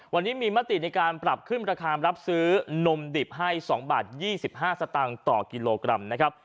วันนี้มีมติในการปรับขึ้นราคารับซื้อนมดิบให้๒บาท๒๕สตางค์ต่อกิโลกรัมนะครับ